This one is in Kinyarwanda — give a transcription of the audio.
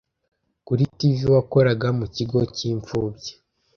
Kuri TV wakoraga mu kigo cyimfubyi